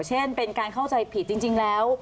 เช่นเป็นการเข้าใจผิดจริงแล้ว